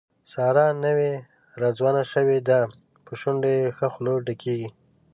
ساره نوې راځوانه شوې ده، په شونډو یې ښه خوله ډکېږي.